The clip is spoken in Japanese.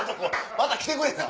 また来てくれな？